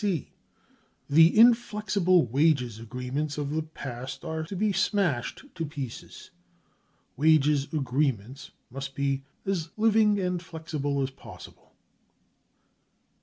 '" C. The cc inflexible " wages agreements of the past are to be smashed to pieces. Wages agreements must be " as living and flexible as possible."